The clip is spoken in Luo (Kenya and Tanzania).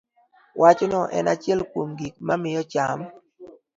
Wachno en achiel kuom gik mamiyo cham